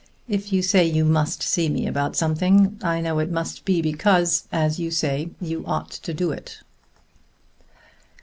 If you say you must see me about something, I know it must be because, as you say, you ought to do it."